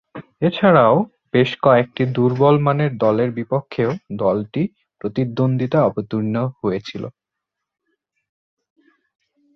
এছাড়াও, বেশ কয়েকটি দূর্বলমানের দলের বিপক্ষেও দলটি প্রতিদ্বন্দ্বিতায় অবতীর্ণ হয়েছিল।